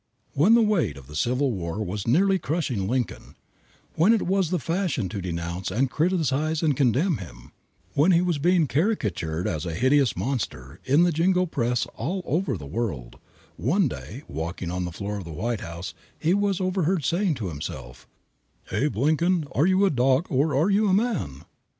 When the weight of the Civil War was nearly crushing Lincoln, when it was the fashion to denounce and criticise and condemn him, when he was being caricatured as a hideous monster in the jingo press all over the world, one day, walking the floor in the White House, he was overheard saying to himself, "Abe Lincoln, are you a dog or are you a man?"